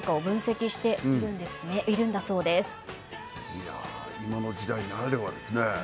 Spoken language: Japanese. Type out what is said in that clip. いや今の時代ならではですね。